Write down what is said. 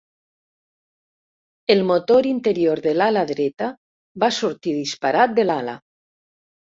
El motor interior de l'ala dreta va sortir disparat de l'ala.